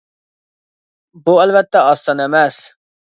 بۇ ئەلۋەتتە ئاز سان ئەمەس.